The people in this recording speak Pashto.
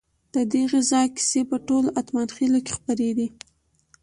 ددې غزا کیسې په ټولو اتمانخيلو کې خپرې دي.